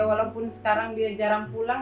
walaupun sekarang dia jarang pulang